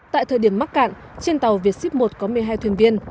tại thời điểm mắc cạn trên tàu vietship một có một mươi hai thuyền viên